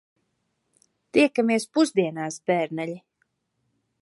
Tiekamies pusdienās, bērneļi.